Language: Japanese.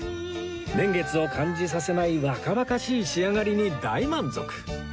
年月を感じさせない若々しい仕上がりに大満足